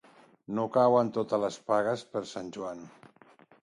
No cauen totes les pagues per Sant Joan.